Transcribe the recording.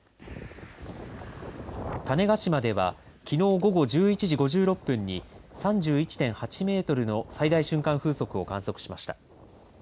種子島ではきのう午後１１時５６分に３１．８メートルの最大瞬間風速を観測しました。